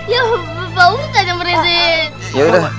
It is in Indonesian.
ya pak ustadz yang merizik